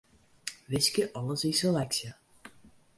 Wiskje alles yn seleksje.